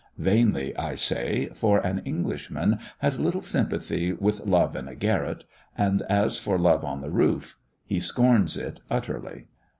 Vainly, I say, for an Englishman has little sympathy with "love in a garret"; and as for love on the roof, he scorns it utterly.